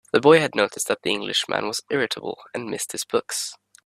The boy had noticed that the Englishman was irritable, and missed his books.